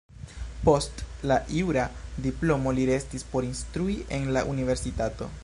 Post la jura diplomo li restis por instrui en la universitato.